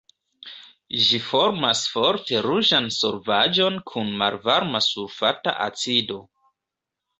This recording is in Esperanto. Ĝi formas forte ruĝan solvaĵon kun malvarma sulfata acido.